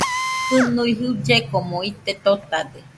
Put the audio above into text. Jɨnui jullekomo ite totade